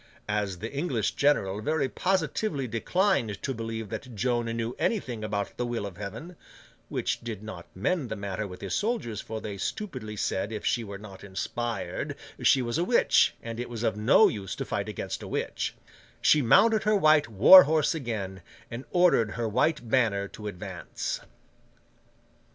As the English general very positively declined to believe that Joan knew anything about the will of Heaven (which did not mend the matter with his soldiers, for they stupidly said if she were not inspired she was a witch, and it was of no use to fight against a witch), she mounted her white war horse again, and ordered her white banner to advance.